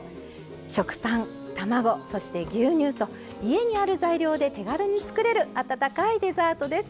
食パン、卵そして、牛乳と家にある材料で手軽に作れる温かいデザートです。